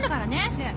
ねえ！